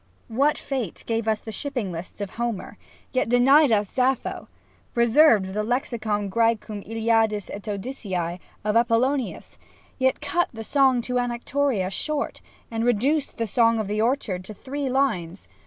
What fate gave us the shipping lists of Homer, yet denied us Sappho ; preserved the "Lexicon Qr cecum lliadis et Odyssece of Apollonius, yet cut the song to Anactoria short, and reduced the song of the orchard to three lines